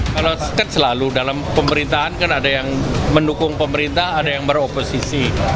kalau kan selalu dalam pemberitaan kan ada yang mendukung pemerintah ada yang beroposisi